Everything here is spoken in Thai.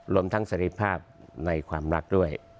รวมทั้งสรีภาพในความรักด้วย